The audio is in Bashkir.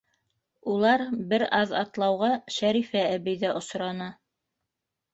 Улар бер аҙ атлауға Шәрифә әбей ҙә осраны.